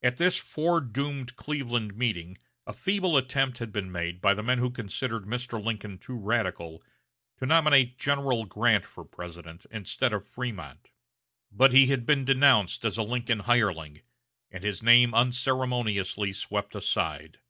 At this fore doomed Cleveland meeting a feeble attempt had been made by the men who considered Mr. Lincoln too radical, to nominate General Grant for President, instead of Frémont; but he had been denounced as a Lincoln hireling, and his name unceremoniously swept aside.